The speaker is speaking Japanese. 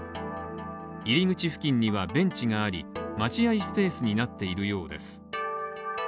入り口付近にはベンチがあり、待合スペースになっているようです。